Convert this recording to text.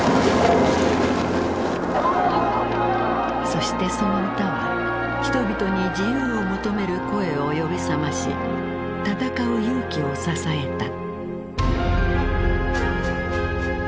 そしてその歌は人々に自由を求める声を呼び覚ましたたかう勇気を支えた。